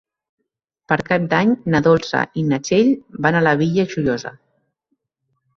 Per Cap d'Any na Dolça i na Txell van a la Vila Joiosa.